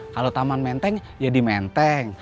kalau taman menteng ya di menteng